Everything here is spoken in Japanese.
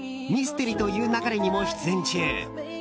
「ミステリと言う勿れ」にも出演中。